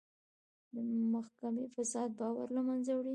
د محکمې فساد باور له منځه وړي.